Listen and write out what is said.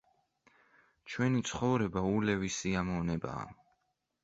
ჩვენი ცხოვრება ულევი სიამოვნებაა.